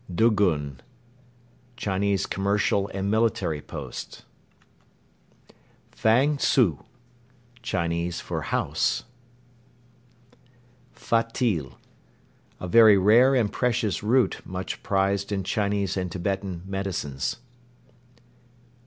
Dugun. Chinese commercial and military post. Dzuk. Lie down! Fang tzu. Chinese for "house." Fatil. A very rare and precious root much prized in Chinese and Tibetan medicines.